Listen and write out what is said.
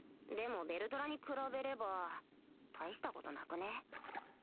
でもヴェルドラに比べれば大したことなくね？